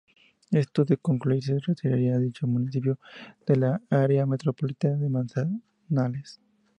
Esto, de concluirse retiraría a dicho municipio de la Área metropolitana de Manizales.